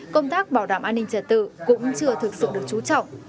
công tác bảo đảm an ninh trật tự cũng chưa thực sự được trú trọng